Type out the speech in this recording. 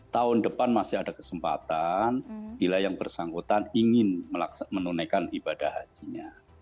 tahun depan masih ada kesempatan bila yang bersangkutan ingin menunaikan ibadah hajinya